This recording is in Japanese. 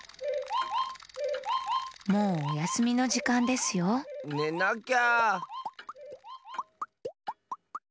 もうおやすみのじかんですよねなきゃ。